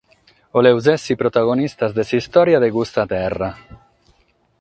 Cherimus èssere protagonistas de s'istòria de custa terra.